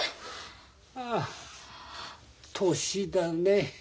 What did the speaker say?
ああ年だね。